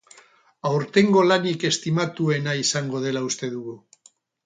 Aurtengo lanik estimatuena izango dela uste dugu.